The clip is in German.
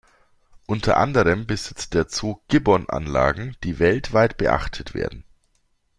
Unter anderem besitzt der Zoo Gibbon-Anlagen, die weltweit beachtet werden.